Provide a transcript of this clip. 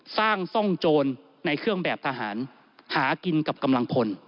ซ่องโจรในเครื่องแบบทหารหากินกับกำลังพล